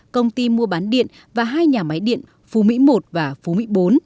công ty mua bán điện và hai nhà máy điện phú mỹ một và phú mỹ bốn